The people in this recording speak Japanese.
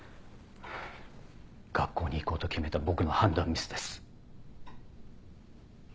学校に行こうと決めた僕の判断ミスです。